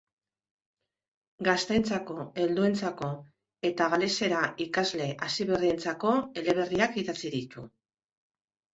Gazteentzako, helduentzako eta galesera ikasle hasiberrientzako eleberriak idatzi ditu.